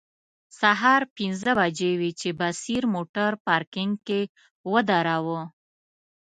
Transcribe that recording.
سهار پنځه بجې وې چې بصیر موټر پارکینګ کې و دراوه.